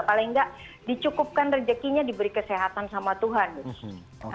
paling nggak dicukupkan rezekinya diberi kesehatan sama tuhan